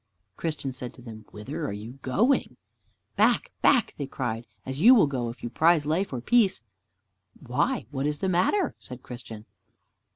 Christian said to them, "Whither are you going?" "Back, back," they cried, "as you will go, if you prize life or peace!" "Why, what is the matter?" said Christian.